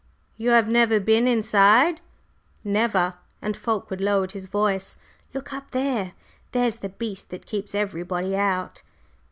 "You have never been inside?" "Never." And Fulkeward lowered his voice: "Look up there; there's the beast that keeps everybody out!"